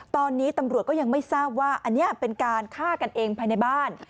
ตอนนี้ตำรวจก็ยังไม่ทราบว่าอันนี้เป็นการฆ่ากันเองภายในบ้าน